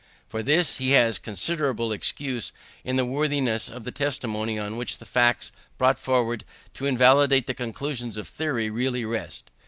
For this he has considerable excuse in the worthlessness of the testimony on which the facts brought forward to invalidate the conclusions of theory usually rest.